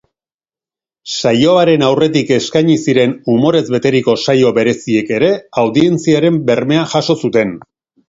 Saioaren aurretik eskaini ziren umorez beteriko saio bereziek ere audientziaren bermea jaso zuten.